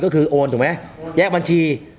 ก็คือโอนถูกไหมแยกบัญชี